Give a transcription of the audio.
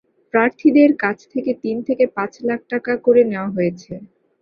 প্রার্থীদের কাছ থেকে তিন থেকে পাঁচ লাখ টাকা করে নেওয়া হয়েছে।